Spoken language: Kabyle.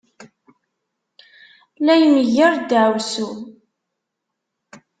La imegger ddaɛwessu.